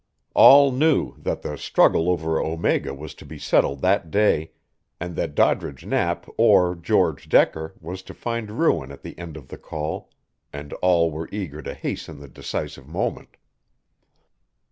All knew that the struggle over Omega was to be settled that day, and that Doddridge Knapp or George Decker was to find ruin at the end of the call, and all were eager to hasten the decisive moment.